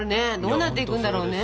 どうなっていくんだろうね。